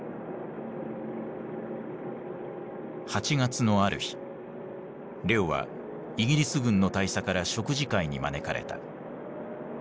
８月のある日レオはイギリス軍の大佐から食事会に招かれた。